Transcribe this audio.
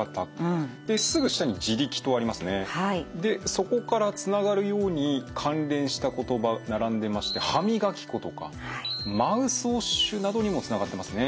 そこからつながるように関連した言葉並んでまして「歯磨き粉」とか「マウスウォッシュ」などにもつながってますね。